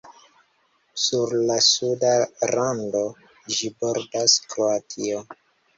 Sur la suda rando, ĝi bordas Kroatio.